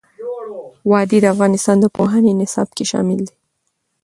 وادي د افغانستان د پوهنې نصاب کې شامل دي.